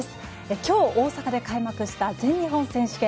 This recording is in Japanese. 今日、大阪で開幕した全日本選手権。